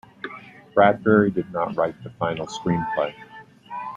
Bradbury did not write the final screenplay.